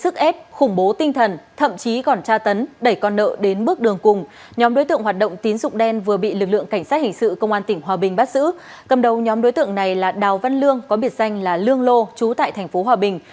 cầm đầu nhóm đối tượng này là đào văn lương có biệt danh là lương lô trú tại tp hòa bình